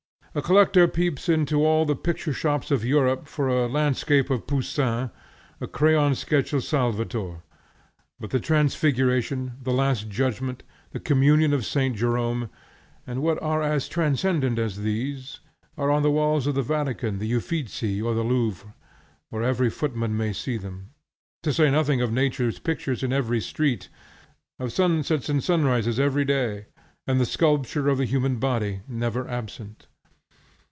A collector peeps into all the picture shops of Europe for a landscape of Poussin, a crayon sketch of Salvator; but the Transfiguration, the Last Judgment, the Communion of St. Jerome, and what are as transcendent as these, are on the walls of the Vatican, the Uffizii, or the Louvre, where every footman may see them; to say nothing of Nature's pictures in every street, of sunsets and sunrises every day, and the sculpture of the human body never absent.